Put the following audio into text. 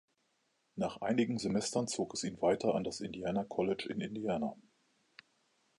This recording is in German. Nach einigen Semestern zog es ihn weiter an das Indiana College in Indiana.